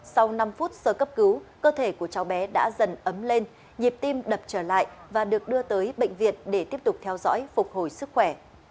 sau năm phút sơ cấp cứu cơ thể của cháu bé đã dần ấm lên nhịp tim đập trở lại và được đưa tới bệnh viện để tiếp tục theo dõi phục hồi sức khỏe